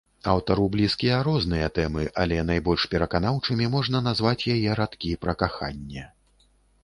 Аўтару блізкія розныя тэмы, але найбольш пераканаўчымі можна назваць яе радкі пра каханне.